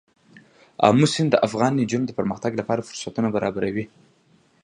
آمو سیند د افغان نجونو د پرمختګ لپاره فرصتونه برابروي.